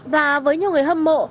và với nhiều người hâm mộ